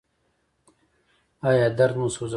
ایا درد مو سوځونکی دی؟